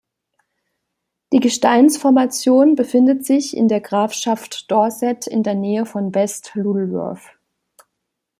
Die Gesteinsformation befindet sich in der Grafschaft Dorset in der Nähe von West Lulworth.